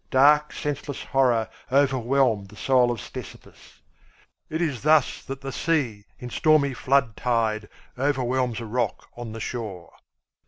Dark, senseless horror overwhelmed the soul of Ctesippus. It is thus that the sea in stormy floodtide overwhelms a rock on the shore.